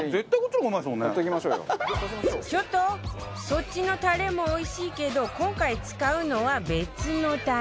そっちのタレもおいしいけど今回使うのは別のタレ